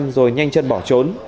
rồi nhanh chân bỏ trốn